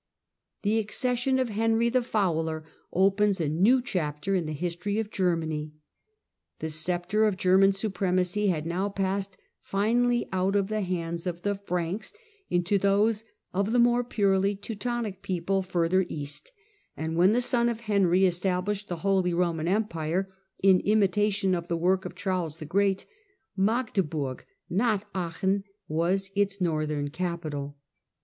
The accession of Henry the Fowler opens a new chapter in the history of Germany. The sceptre oi German supremacy had now passed finally out of th( hands of the Franks into those of the more purely Teu tonic people farther east, and when the son of Henry established the Holy Roman Empire in imitation of the work of Charles the Great, Magdeburg, not Aachen, was its northern capital.